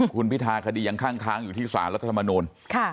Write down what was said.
คุณพิทาคดียังคั่งค้างอยู่ที่สหรัฐธรรมนูญ